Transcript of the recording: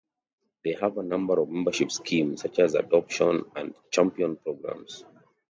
They have a number of membership schemes such as adoption and champion programmes.